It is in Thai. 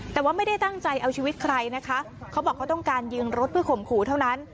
แต่ว่าไม่ได้ตั้งใจเอาชีวิตใครนะคะเขาบอกเขาต้องการยิงรถเพื่อข่มขู่เท่านั้น